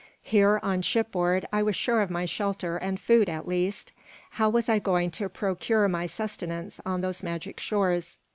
Here, on shipboard, I was sure of my shelter and food, at least. How was I going to procure my sustenance on those magic shores?